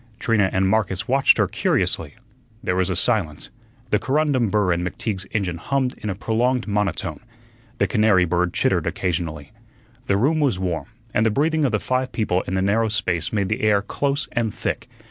Trina and Marcus watched her curiously. There was a silence. The corundum burr in McTeague's engine hummed in a prolonged monotone. The canary bird chittered occasionally. The room was warm, and the breathing of the five people in the narrow space made the air close and thick.